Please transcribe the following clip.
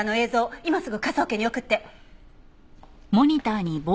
今すぐ科捜研に送って。